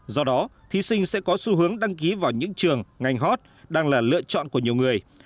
do đó thí sinh sẽ có xu hướng đăng ký vào những trường ngành hot đang là lựa chọn của nhiều người